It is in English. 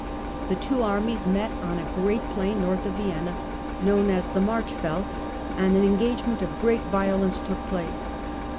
The two armies met on a great plain, north of Vienna, Battle of known as the Marchfeld, and an engagement of great feid, 26th ' violence took place.